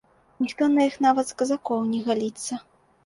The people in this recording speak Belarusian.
Ніхто на іх, нават з казакоў, не галіцца.